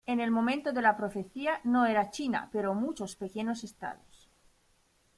En el momento de la profecía no era China, pero muchos pequeños estados.